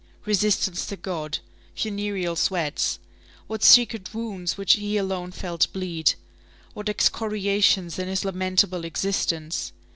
Resistance to God. Funereal sweats. What secret wounds which he alone felt bleed! What excoriations in his lamentable existence!